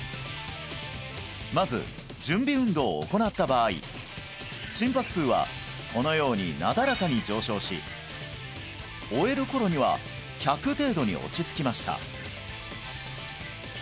まず準備運動を行った場合心拍数はこのようになだらかに上昇し終える頃には１００程度に落ち着きました